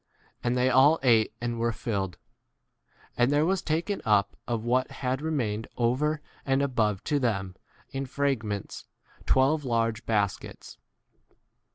And they all ate and were filled ; and there was taken up of what had re mained over and above to them in fragments twelve large baskets.